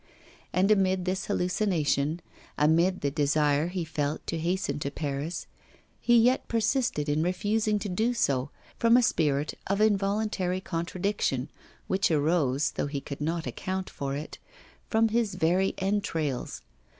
And amid this hallucination, amid the desire he felt to hasten to Paris, he yet persisted in refusing to do so, from a spirit of involuntary contradiction, which arose, though he could not account for it, from his very entrails.